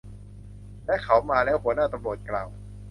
และเขามาแล้ว หัวหน้าตำรวจกล่าว